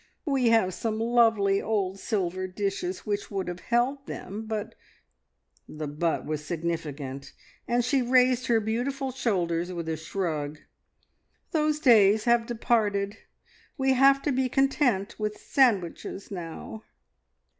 We have some lovely old silver dishes which would have held them, but " the "but" was significant, and she raised her beautiful shoulders with a shrug "those days have departed. We have to be content with sandwiches now."